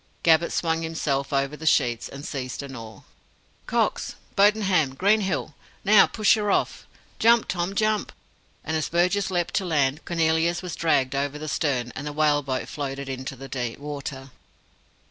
Gabbett swung himself over the sheets, and seized an oar. "Cox, Bodenham, Greenhill! Now, push her off! Jump, Tom, jump!" and as Burgess leapt to land, Cornelius was dragged over the stern, and the whale boat floated into deep water.